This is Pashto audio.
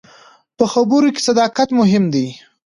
په خبرو کې صداقت مهم دی.